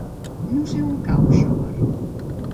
No sé on cau Xóvar.